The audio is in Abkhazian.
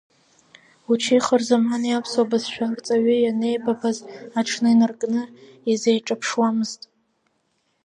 Учеи Хырзамани аԥсуа бызшәа арҵаҩы ианеибабаз аҽны инаркны изеиҿаԥушамызт.